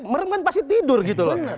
merem kan pasti tidur gitu loh